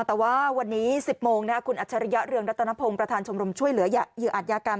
แต่ว่าวันนี้๑๐โมงคุณอัจฉริยะเรืองรัตนพงศ์ประธานชมรมช่วยเหลือเหยื่ออาจยากรรม